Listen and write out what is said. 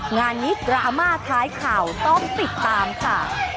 งานนี้ดราม่าท้ายข่าวต้องติดตามค่ะ